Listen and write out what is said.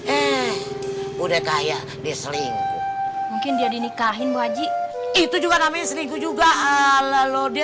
eh udah kaya diselingkuh mungkin dia dinikahin wajib itu juga namanya seringku juga ala lo dia